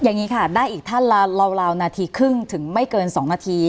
อย่างนี้ค่ะได้อีกท่านละราวนาทีครึ่งถึงไม่เกิน๒นาที